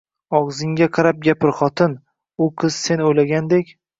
-Og’zingga qarab gapir xotin! U qiz sen o’ylagandek…